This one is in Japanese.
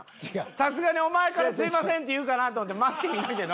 さすがにお前から「すみません」って言うかなと思って待ってみたけど。